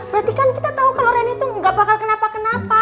berarti kan kita tahu kalau reni tuh gak bakal kenapa kenapa